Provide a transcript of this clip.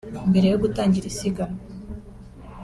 Mbere yo gutangira isiganwa